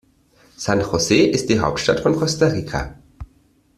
San José ist die Hauptstadt von Costa Rica.